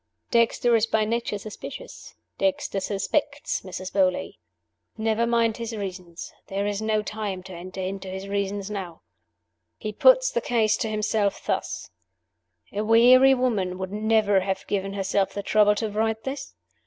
Dexter is by nature suspicious. Dexter suspects Mrs. Beauly. Never mind his reasons; there is no time to enter into his reasons now. He puts the ease to himself thus: 'A weary woman would never have given herself the trouble to write this.